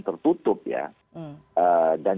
tertutup ya dan